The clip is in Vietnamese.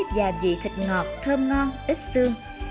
và vị thịt ngọt thơm ngon ít xương